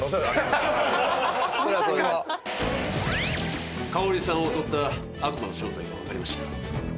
まさか香織さんを襲った悪魔の正体がわかりましたよ